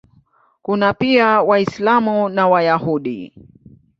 Kuna pia Waislamu na Wayahudi.